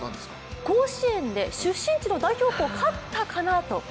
甲子園で出身地の代表校勝ったかなと。